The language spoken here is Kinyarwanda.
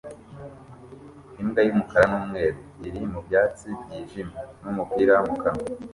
Imbwa y'umukara n'umweru iri mu byatsi byijimye n'umupira mu kanwa